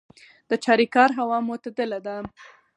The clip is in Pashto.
د چاریکار هوا معتدله ده